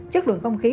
chất lượng không khí